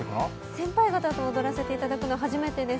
先輩方と踊らせていただくのは初めてです。